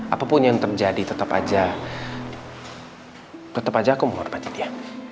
apapun yang terjadi tetep aja aku mengorbankan dia